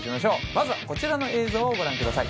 まずはこちらの映像をご覧ください。